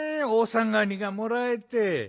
おさがりがもらえて。